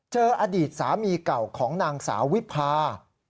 อดีตสามีเก่าของนางสาววิพา